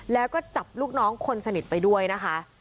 แล้วก็จับลูกน้องคนสนิทไปด้วยนะคะ